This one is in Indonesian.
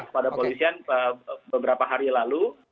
kepada polisian beberapa hari lalu